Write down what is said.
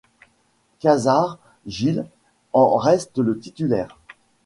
Casares Gil en reste le titulaire.